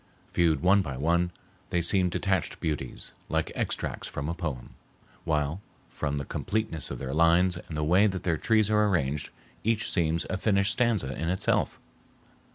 Viewed one by one, they seem detached beauties, like extracts from a poem, while, from the completeness of their lines and the way that their trees are arranged, each seems a finished stanza in itself.